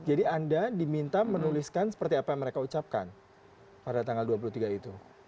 jadi anda diminta menuliskan seperti apa yang mereka ucapkan pada tanggal dua puluh tiga itu